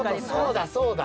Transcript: そうだそうだ。